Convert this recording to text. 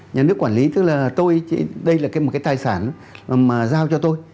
nhà nước quản lý tức là tôi đây là cái một cái tài sản mà giao cho tôi